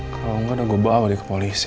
kalau nggak udah gue bawa dia ke polisi